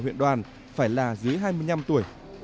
huyện đoàn phải là dưới hai mươi năm tuổi